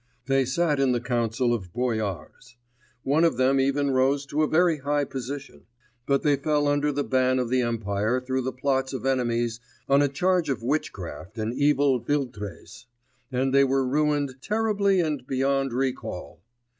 They sat in the Council of Boyars. One of them even rose to a very high position. But they fell under the ban of the empire through the plots of enemies 'on a charge of witchcraft and evil philtres,' and they were ruined 'terribly and beyond recall.